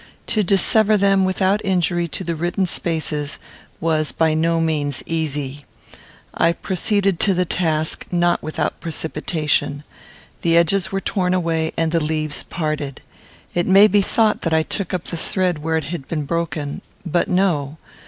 To dissever them without injury to the written spaces was by no means easy. I proceeded to the task, not without precipitation. The edges were torn away, and the leaves parted. It may be thought that I took up the thread where it had been broken; but no.